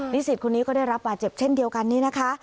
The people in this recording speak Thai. สิทธิ์คนนี้ก็ได้รับบาดเจ็บเช่นเดียวกันนี่นะคะ